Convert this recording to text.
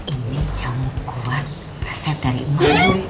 ini jangkauan reset dari maulwi